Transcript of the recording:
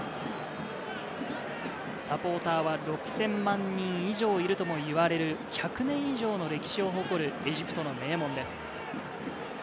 サポーターは６０００万人以上いるともいわれる１００年以上の歴史を誇るエジプトの名門です。